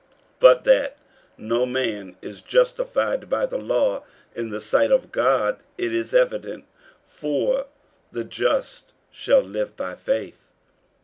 48:003:011 But that no man is justified by the law in the sight of God, it is evident: for, The just shall live by faith.